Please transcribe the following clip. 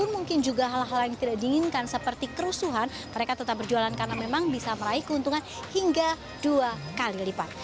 mungkin juga hal hal yang tidak diinginkan seperti kerusuhan mereka tetap berjualan karena memang bisa meraih keuntungan hingga dua kali lipat